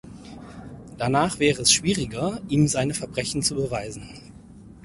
Danach wäre es schwieriger, ihm seine Verbrechen zu beweisen.